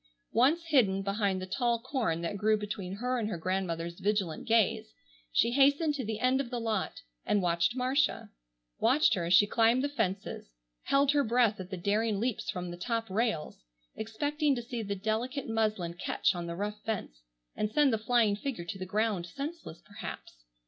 Once hidden behind the tall corn that grew between her and her grandmother's vigilant gaze, she hastened to the end of the lot and watched Marcia; watched her as she climbed the fences, held her breath at the daring leaps from the top rails, expecting to see the delicate muslin catch on the rough fence and send the flying figure to the ground senseless perhaps.